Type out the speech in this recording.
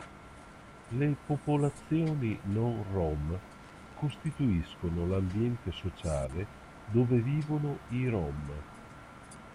Le popolazioni non-rom costituiscono l'ambiente sociale dove vivono i rom.